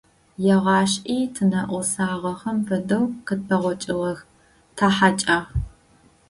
Егъашӏи тинэӏосагъэхэм фэдэу къытпэгъокӏыгъэх, тахьэкӏагъ.